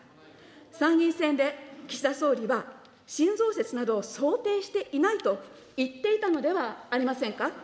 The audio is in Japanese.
参院選で岸田総理は新増設など想定していないと言っていたのではありませんか。